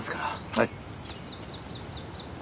はい。